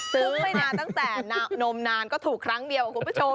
ซื้อไปนานตั้งแต่นมนานก็ถูกครั้งเดียวคุณผู้ชม